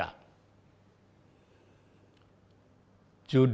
jadul tausiah ini adalah